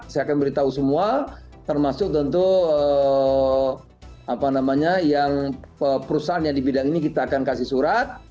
saya akan beritahu semua termasuk tentu apa namanya yang perusahaan yang di bidang ini kita akan kasih surat